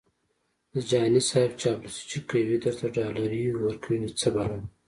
د جهاني صیب چاپلوسي چې کوي درته ډالري ورکوي څه بلا🤑🤣